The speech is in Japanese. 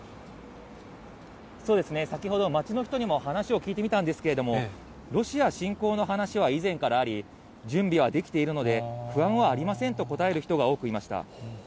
先ほど、街の人にも話を聞いてみたんですけれども、ロシア侵攻の話は以前からあり、準備はできているので、不安はありませんと答える人が多くいました。